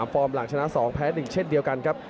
ฟอร์มหลังชนะ๒แพ้๑เช่นเดียวกันครับ